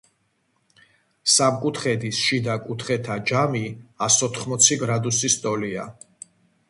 სამკუთხედის შიდა კუთხეთა ჯამი ასოთხმოცი გრადუსის ტოლია.